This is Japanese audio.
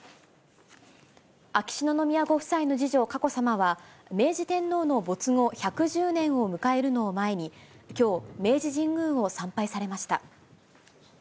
秋篠宮ご夫妻の次女、佳子さまは、明治天皇の没後１１０年を迎えるのを前に、きょう、明治神宮を参拝されました。